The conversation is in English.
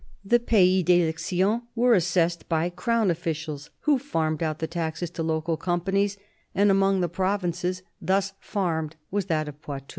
The pays d'election were assessed by crown officials, who farmed out the taxes to local companies ; and among the provinces thus farmed was that of Poitou.